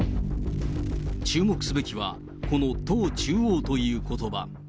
注目すべきは、この党中央ということば。